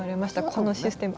このシステム。